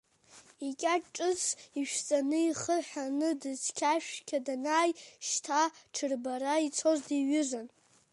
Икьаҿ ҿыц ишәҵаны, ихы ҳәаны, дыцқьа-шәқьа данааи, шьҭа ҽырбара ицоз диҩызан.